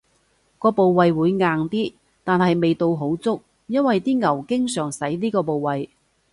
個部位會硬啲，但係味道好足，因爲啲牛經常使呢個部位